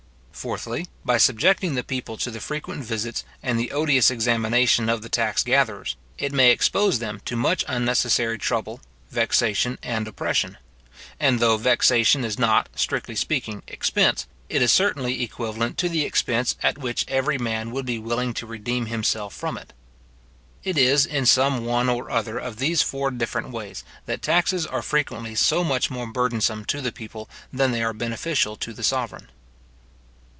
} Fourthly, by subjecting the people to the frequent visits and the odious examination of the tax gatherers, it may expose them to much unnecessary trouble, vexation, and oppression; and though vexation is not, strictly speaking, expense, it is certainly equivalent to the expense at which every man would be willing to redeem himself from it. It is in some one or other of these four different ways, that taxes are frequently so much more burdensome to the people than they are beneficial to the sovereign.